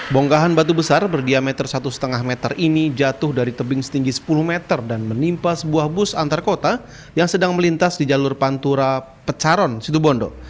bongkahan batu besar berdiameter satu lima meter ini jatuh dari tebing setinggi sepuluh meter dan menimpa sebuah bus antar kota yang sedang melintas di jalur pantura pecaron situbondo